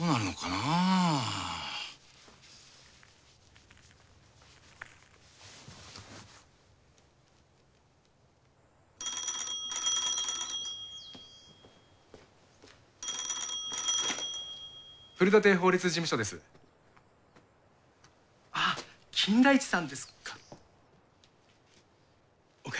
あぁ金田一さんですか。